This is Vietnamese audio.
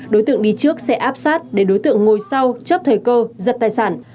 đối tượng đi trước sẽ áp sát để đối tượng ngồi sau chớp thời cơ giật tài sản